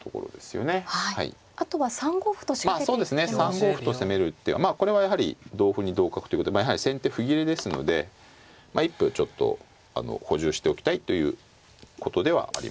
３五歩と攻める手はこれはやはり同歩に同角ということでやはり先手歩切れですので一歩ちょっと補充しておきたいということではありますけどね。